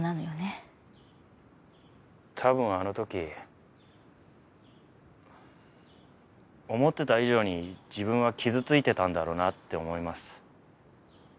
多分あの時思ってた以上に自分は傷ついてたんだろうなって思います。